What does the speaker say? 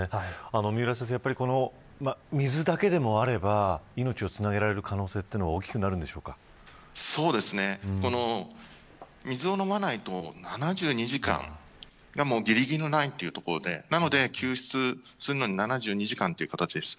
三浦先生、水だけでもあれば命をつなげられる可能性は水を飲まないと７２時間がぎりぎりのラインということでなので救出するのに７２時間となります。